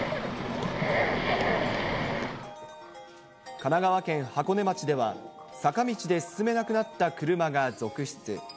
神奈川県箱根町では、坂道で進めなくなった車が続出。